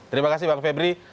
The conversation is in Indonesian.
terima kasih pak pebri